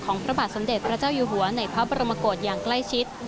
พระบาทสมเด็จพระเจ้าอยู่หัวในพระบรมกฏอย่างใกล้ชิด